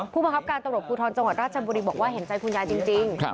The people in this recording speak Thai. ผู้บังคับการตำรวจภูทรจังหวัดราชบุรีบอกว่าเห็นใจคุณยายจริง